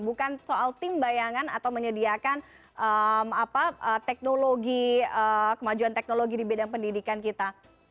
bukan soal tim bayangan atau menyediakan teknologi kemajuan teknologi di bidang pendidikan kita